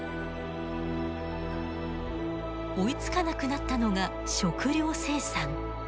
追いつかなくなったのが食糧生産。